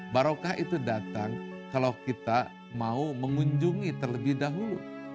barokah itu datang kalau kita mau mengunjungi terlebih dahulu